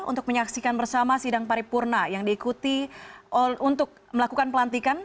untuk menyaksikan bersama sidang paripurna yang diikuti untuk melakukan pelantikan